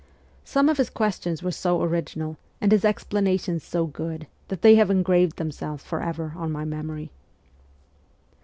Some of his questions were so original and his explanations so good that they have engraved themselves for ever on my memory.